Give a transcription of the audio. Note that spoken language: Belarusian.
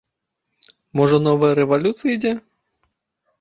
Можа, новая рэвалюцыя ідзе.